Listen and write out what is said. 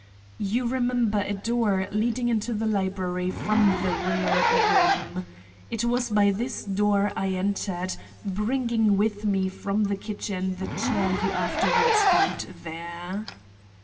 You remember a door leading into the library from the rear room. It was by this door I entered, bringing with me from the kitchen the chair you afterwards found there.